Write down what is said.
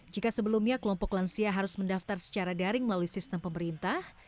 jika sebelumnya kelompok lansia harus mendaftar secara daring melalui sistem pemerintah